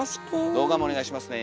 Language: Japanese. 動画もお願いしますね。